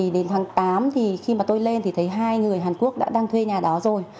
đến tháng tám khi tôi lên thấy hai người hàn quốc đã đang thuê nhà đó rồi